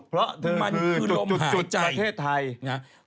เพราะเธอคือจุดประเทศไทยมันคือร่มหายใจ